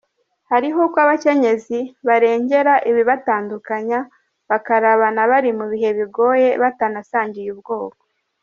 Harimwo uko abakenyezi barengera ibibatandukana bakarabana bari mu bihe bigoye, batanasangiye ubwoko.